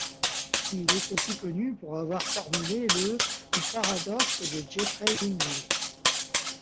Il est aussi connu pour avoir formulé le ou paradoxe de Jeffreys-Lindley.